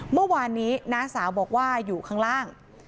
เมื่อวานนี้น้าสาวบอกว่าอยู่ข้างล่าง